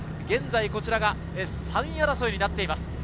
現在こちらが３位争いになっています。